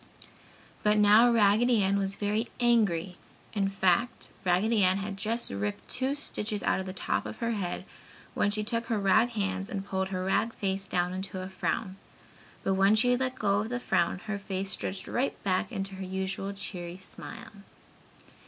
But now Raggedy Ann was very angry in fact, Raggedy Ann had just ripped two stitches out of the top of her head when she took her rag hands and pulled her rag face down into a frown (but when she let go of the frown her face stretched right back into her usual cheery smile).